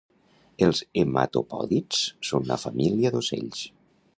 Els hematopòdids són una família d'ocells